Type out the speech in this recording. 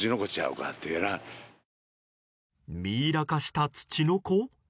ミイラ化したツチノコ？